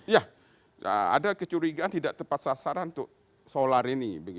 ya ada kecurigaan tidak tepat sasaran untuk solar ini